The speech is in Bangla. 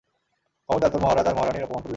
খবরদার তোর মহারাজ আর মহারানীর অপমান করবি না!